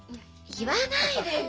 言わないでよ。